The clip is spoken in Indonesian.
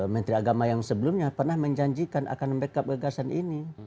menteri agama yang sebelumnya pernah menjanjikan akan membackup gagasan ini